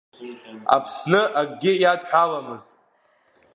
Аԥсны акгьы иадҳәаламызт.